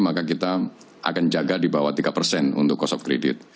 maka kita akan jaga di bawah tiga persen untuk cost of credit